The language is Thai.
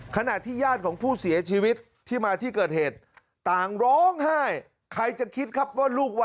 ขณะที่ย่านผู้เสียชีวิตที่มาที่เกิดเหตุ